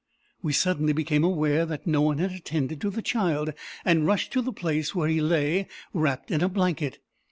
We suddenly became aware that no one had attended to the child, and rushed to the place where he lay wrapped in a blanket.